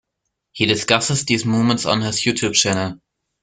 He discusses these moments on his YouTube Channel.